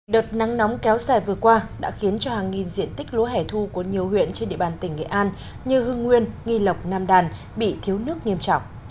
đợt nắng nóng kéo dài vừa qua đã khiến cho hàng nghìn diện tích lúa hẻ thu của nhiều huyện trên địa bàn tỉnh nghệ an như hưng nguyên nghi lộc nam đàn bị thiếu nước nghiêm trọng